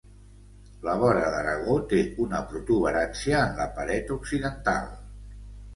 La vora d'Aragó té una protuberància en la paret occidental.